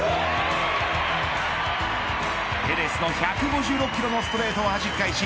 ペレスの１５６キロのストレートをはじき返し